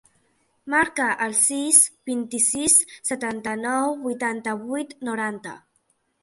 Marca el sis, vint-i-sis, setanta-nou, vuitanta-vuit, noranta.